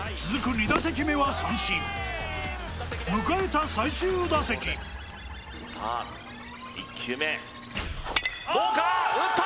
２打席目は三振迎えた最終打席さあ１球目どうか打った！